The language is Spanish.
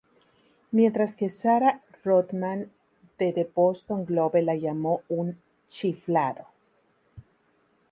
Mientras que Sarah Rodman de The Boston Globe la llamó un "chiflado".